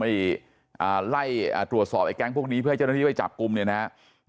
ไปไล่ตรวจสอบไอ้แก๊งพวกนี้เพื่อให้เจ้าหน้าที่ไปจับกลุ่มเนี่ยนะครับ